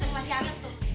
masih aneg tuh